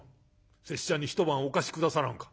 拙者に一晩お貸し下さらんか？」。